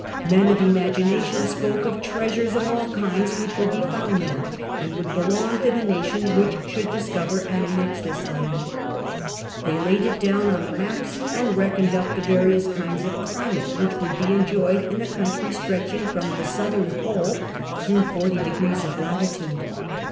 Men of imagination spoke of treasures of all hinds which would be found there, and would belong to the nation which should discover and annex this land ; they laid it down on the maps and reckoned up the various kinds of climate which would be enjoyed in a country stretching from the Southern Pole through forty degi'ces of latitude.